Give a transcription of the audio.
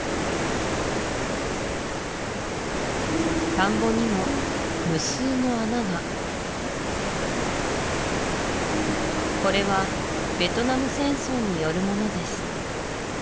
田んぼにも無数の穴がこれはベトナム戦争によるものです